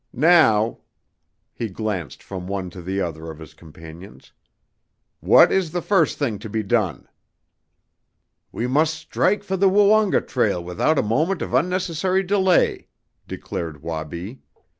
"Now " he glanced from one to the other of his companions, "what is the first thing to be done?" "We must strike for the Woonga trail without a moment of unnecessary delay," declared Wabi.